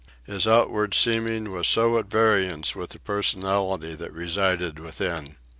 His outward seeming was so at variance with the personality that resided within.